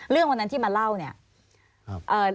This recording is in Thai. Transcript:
เรื่องวันนั้นที่มาเล่าเนี่ย